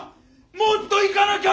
もっといかなきゃ！